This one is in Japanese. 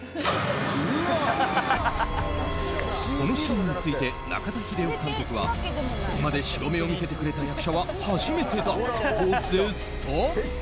このシーンについて中田秀夫監督はここまで白目を見せてくれた役者は初めてだと絶賛。